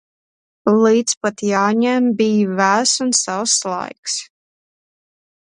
Līdz pat Jāņiem bij vēss un sauss laiks.